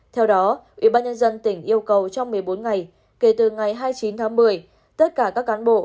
theo đó ubnd tỉnh yêu cầu trong một mươi bốn ngày kể từ ngày hai mươi chín tháng một mươi